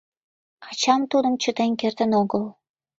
Ачам тудым чытен кертын огыл.